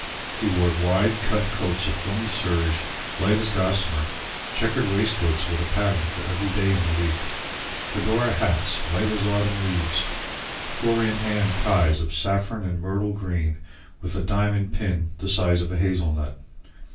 He wore wide cut coats of filmy serge, light as gossamer; chequered waistcoats with a pattern for every day in the week; fedora hats light as autumn leaves; four in hand ties of saffron and myrtle green with a diamond pin the size of a hazel nut.